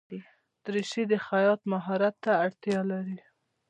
دریشي د خیاط ماهرت ته اړتیا لري.